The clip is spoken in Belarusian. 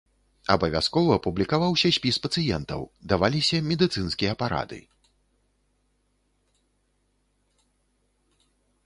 Абавязкова публікаваўся спіс пацыентаў, даваліся медыцынскія парады.